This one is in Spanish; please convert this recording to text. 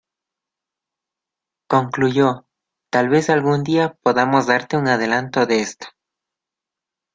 Concluyó: "Tal vez algún día podamos darte un adelanto de esto".